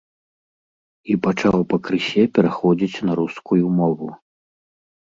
І пачаў пакрысе пераходзіць на рускую мову.